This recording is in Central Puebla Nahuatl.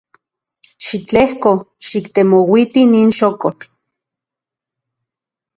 Xitlejko xiktemouiti nin xokotl.